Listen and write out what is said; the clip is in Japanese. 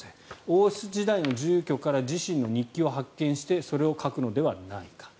王室時代の住居から自身の日記を発見してそれを書くのではないか。